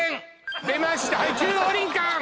出ました中央林間！